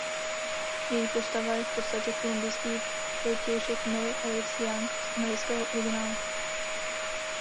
Její postava je v podstatě kolumbijský protějšek Mary Alice Young z amerického originálu.